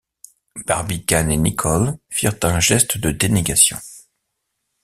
Barbicane et Nicholl firent un geste de dénégation.